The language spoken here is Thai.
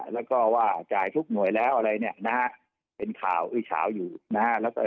แล้วก็ว่าจ่ายทุกหน่วยแล้วอะไรเนี่ยนะฮะเป็นข่าวอื้อเฉาอยู่นะฮะ